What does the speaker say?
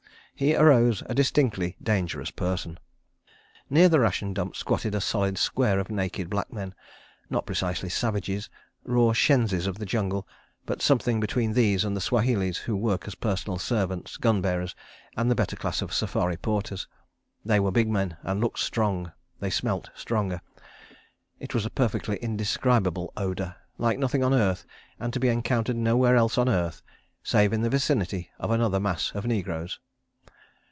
He arose a distinctly dangerous person. ... Near the ration dump squatted a solid square of naked black men, not precisely savages, raw shenzis of the jungle, but something between these and the Swahilis who work as personal servants, gun bearers, and the better class of safari porters. They were big men and looked strong. They smelt stronger. It was a perfectly indescribable odour, like nothing on earth, and to be encountered nowhere else on earth—save in the vicinity of another mass of negroes.